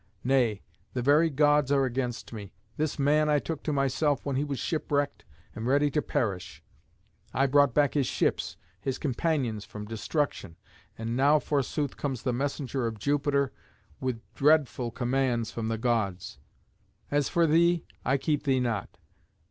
Nay, the very Gods are against me. This man I took to myself when he was shipwrecked and ready to perish. I brought back his ships, his companions from destruction. And now forsooth comes the messenger of Jupiter with dreadful commands from the Gods. As for thee, I keep thee not.